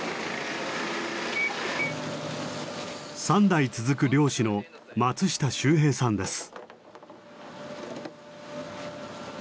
３代続く漁師の松下周平さんです。